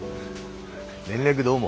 連絡どうも。